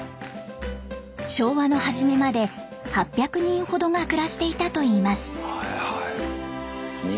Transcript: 昭和の初めまで８００人ほどが暮らしていたといいます。